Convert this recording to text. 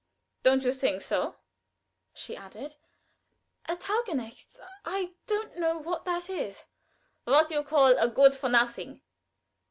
"Don't you think so?" she added. "A Taugenichts I don't know what that is." "What you call a good for nothing."